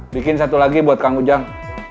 bikin satu lagi buat kang ujang